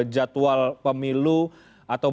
jadwal pemilu atau